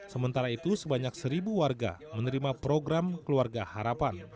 sementara itu sebanyak seribu warga menerima program keluarga harapan